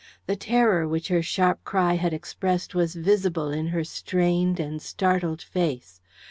The terror which her sharp cry had expressed was visible in her strained and startled face.